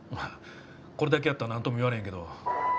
これだけやったらなんとも言われへんけど。